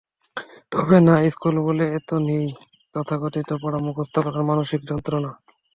তবে না, ইশকুল বলে এতে নেই তথাকথিত পড়া মুখস্থ করার মানসিক যন্ত্রণা।